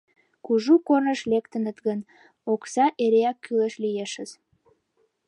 Кужу корныш лектыныт гын, окса эреак кӱлеш лиешыс...